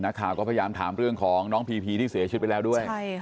นักข่าวก็พยายามถามเรื่องของน้องพีพีที่เสียชีวิตไปแล้วด้วย